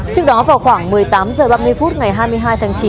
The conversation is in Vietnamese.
trước đó vào khoảng một mươi tám h ba mươi phút ngày hai mươi hai tháng chín